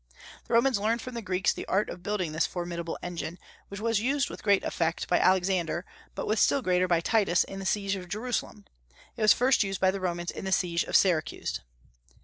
The Romans learned from the Greeks the art of building this formidable engine, which was used with great effect by Alexander, but with still greater by Titus in the siege of Jerusalem; it was first used by the Romans in the siege of Syracuse.